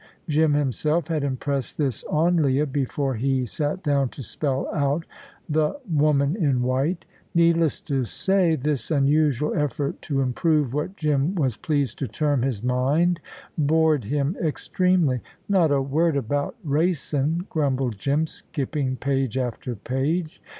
Jim himself had impressed this on Leah, before he sat down to spell out The Woman in White. Needless to say, this unusual effort to improve what Jim was pleased to term his mind bored him extremely. "Not a word about racin'," grumbled Jim, skipping page after page.